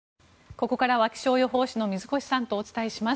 ここからは気象予報士の水越さんとお伝えします。